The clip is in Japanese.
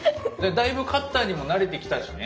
だいぶカッターにも慣れてきたしね。